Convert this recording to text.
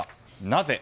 なぜ？